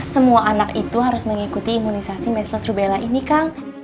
semua anak itu harus mengikuti imunisasi mesos rubella ini kang